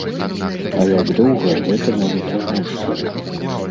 А як доўга гэта можа цягнуцца?